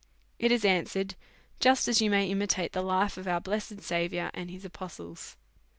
It is answered, just as you may imitate the life of our blessed Saviour and his apostles.